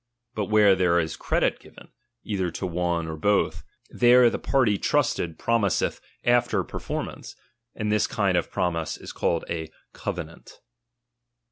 But where there is credit given, either to one or both, there the party trusted promiseth after perform ance ; and this kind of promise is called a cove nant.